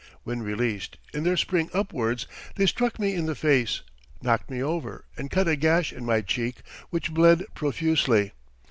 When released, in their spring upwards, they struck me in the face, knocked me over, and cut a gash in my cheek which bled profusely.